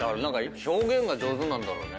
表現が上手なんだろうね。